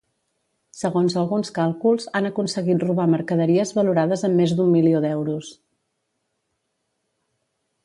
Segons alguns càlculs, han aconseguit robar mercaderies valorades en més d'un milió d'euros.